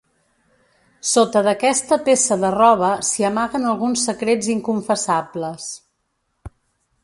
Sota d'aquesta peça de roba s'hi amaguen alguns secrets inconfessables.